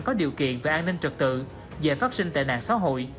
có điều kiện về an ninh trực tự giải phát sinh tệ nạn xã hội